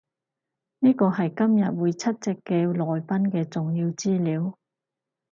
呢個係今日會出席嘅來賓嘅重要資料